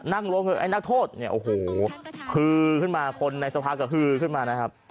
นั่งลงไอ้นักโทษเนี่ยโอ้โหคือขึ้นมาคนในสภาก็ฮือขึ้นมานะครับ